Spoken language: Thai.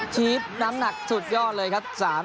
ชีสน้ำหนักสุดยอดเลยครับ